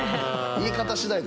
言い方しだい。